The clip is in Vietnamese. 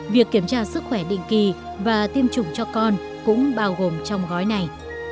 việc kiểm tra sức khỏe định kỳ và tiêm chủng cho con cũng bao gồm trong gói này